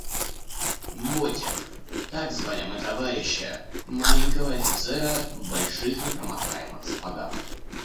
«Ботик» — так звали мы товарища, маленького офицера в больших непромокаемых сапогах.